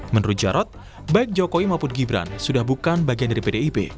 menurut jarod baik jokowi maupun gibran sudah bukan bagian dari pdip